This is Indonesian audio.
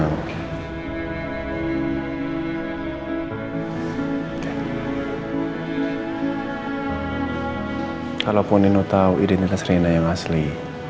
kalaupun nino tau identitas reina yang asli